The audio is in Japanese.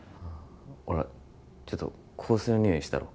ほらちょっと香水のにおいしたろ